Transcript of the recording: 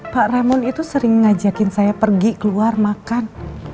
pak ramon itu sering ngajakin saya pergi keluar makan